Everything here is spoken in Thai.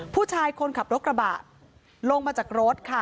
คนขับรถกระบะลงมาจากรถค่ะ